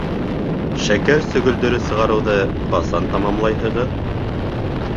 Шәкәр сөгөлдөрө сығарыуҙы ҡасан тамамлайһығыҙ?